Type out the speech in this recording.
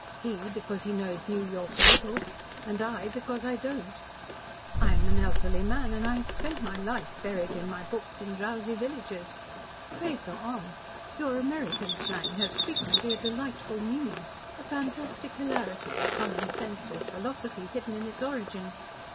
He, because he knows New York a little, and I because I don't. I am an elderly man, and have spent my life buried in my books in drowsy villages. Pray go on. Your American slang has frequently a delightful meaning a fantastic hilarity, or common sense, or philosophy, hidden in its origin.